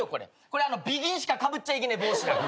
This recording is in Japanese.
これＢＥＧＩＮしかかぶっちゃいけねえ帽子だ。